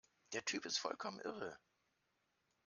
Der Typ ist vollkommen irre!